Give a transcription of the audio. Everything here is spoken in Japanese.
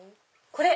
これ！